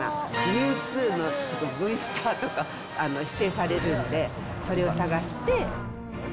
ミュウツーのブイスターとか指定されるので、それを探して。